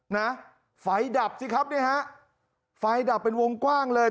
นะไฟดับสิครับเนี่ยฮะไฟดับเป็นวงกว้างเลย